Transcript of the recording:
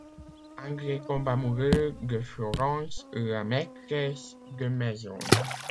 André tombe amoureux de Florence, la maîtresse de maison...